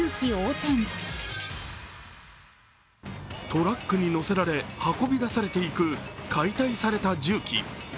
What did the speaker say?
トラックにのせられ運び出されていく、解体された重機。